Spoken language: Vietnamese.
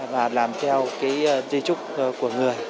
và làm theo cái di trúc của người